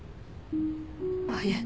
あっいえ